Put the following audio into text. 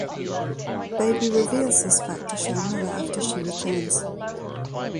Baby reveals this fact to Sharmila after she returns.